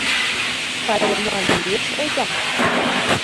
Пайремлан лиеш — оза?